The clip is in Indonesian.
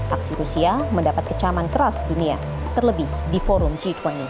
aksi rusia mendapat kecaman keras dunia terlebih di forum g dua puluh